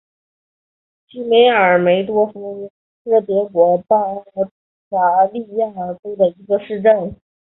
西梅尔斯多尔夫是德国巴伐利亚州的一个市镇。